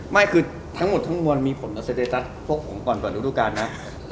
ไม่คือทั้งหมดทั้งวันมีผมก่อนต่อดูทุกการนะ